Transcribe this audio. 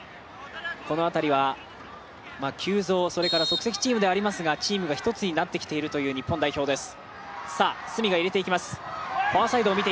このあたりは急造、それから即席チームになっていますがチームが１つになってきているという日本代表です。